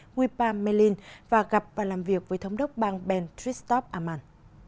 nguyên bà mê linh và gặp và làm việc với thống đốc bang ben tristop amman